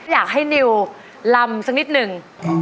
อยากให้นิวลำสักนิดหนึ่ง